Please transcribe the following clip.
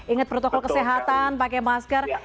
ingat protokol kesehatan pakai masker